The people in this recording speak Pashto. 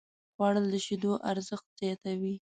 خوړل د شیدو ارزښت زیاتوي